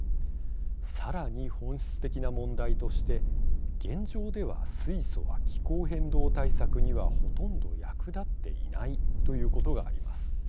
さらに本質的な問題として現状では水素は気候変動対策にはほとんど役立っていないということがあります。